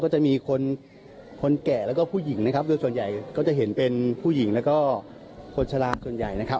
จะมีคนคนแก่แล้วก็ผู้หญิงนะครับโดยส่วนใหญ่ก็จะเห็นเป็นผู้หญิงแล้วก็คนชะลาส่วนใหญ่นะครับ